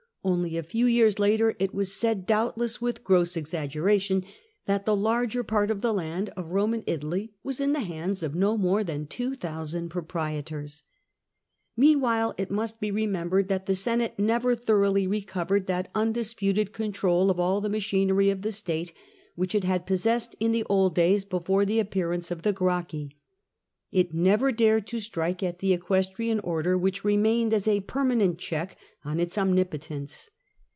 Only a few years later it was said, doubtless with gross exaggeration, that the larger part of the land of Eoman Italy was in the hands of no more than 2000 proprietors. Meanwhile it must be remembered that the Senate never thoroughly recovered that undisputed control of all the machinery of the state which it had possessed in the old days before the appearance of the Gracchi. It never dared to strike at the Equestrian Order, which remained as a permanent check on its omnipotence.